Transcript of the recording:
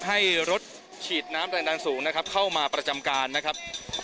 ให้รถฉีดน้ำแรงดันสูงนะครับเข้ามาประจำการนะครับ